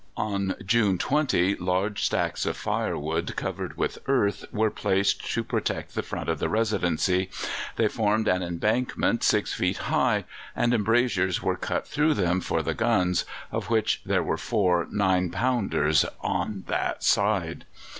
On June 20 large stacks of firewood, covered with earth, were placed to protect the front of the Residency: they formed an embankment 6 feet high, and embrasures were cut through them for the guns, of which there were four 9 pounders on that side.